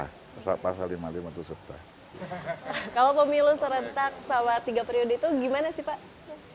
kalau pemilu serentak sama tiga periode itu gimana sih pak